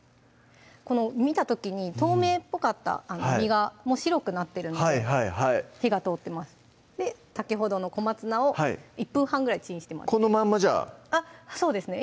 この見た時に透明っぽかった身がもう白くなってるんで火が通ってますで先ほどの小松菜を１分半ぐらいチンしてもらってこのまんまじゃあそうですね